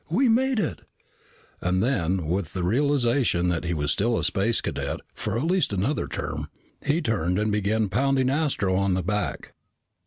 "We made it!" And then, with the realization that he was still a Space Cadet for at least another term, he turned and began pounding Astro on the back.